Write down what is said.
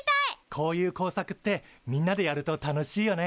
こういう工作ってみんなでやると楽しいよね。